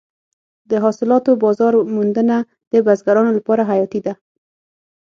د حاصلاتو بازار موندنه د بزګرانو لپاره حیاتي ده.